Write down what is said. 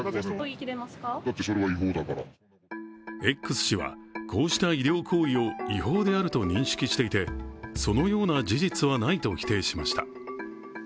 Ｘ氏はこうした医療行為を違法であると認識していて、そのような事実はないと否定しました。